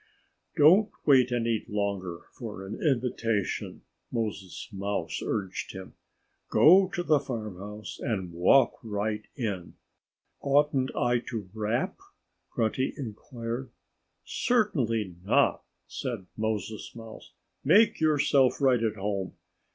"Don't wait any longer for an invitation," Moses Mouse urged him. "Go to the farmhouse and walk right in." "Oughtn't I to rap?" Grunty inquired. "Certainly not!" said Moses Mouse. "Make yourself right at home.